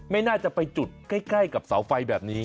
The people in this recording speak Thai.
ไม่น่าจะไปจุดใกล้กับเสาไฟแบบนี้